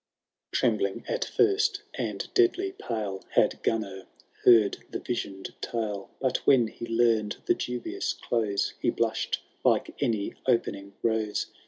XII. Trembling at first, and deadly pale. Had Gunnar heard the vision^d tale ; But when he learned the dubious close, He blushed like any opening rose.